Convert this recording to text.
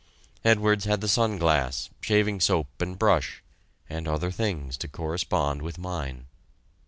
Edwards had the sun glass, shaving soap and brush, and other things to correspond with mine.